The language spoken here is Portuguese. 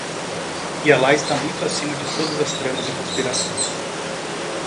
E Alá está muito acima de todas as tramas e conspirações